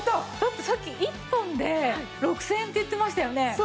だってさっき１本で６０００円って言ってましたよね？